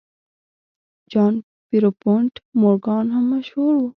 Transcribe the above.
جان پیرپونټ مورګان هم مشهور و.